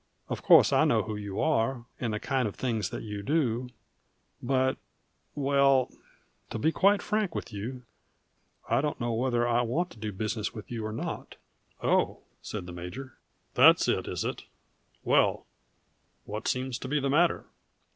"Of course I know who you are, and the kind of things you do; but well, to be quite frank with you, I don't know whether I want to do business with you or not." "Oh!" said the major. "That's it, is it? Well what seems to be the matter?"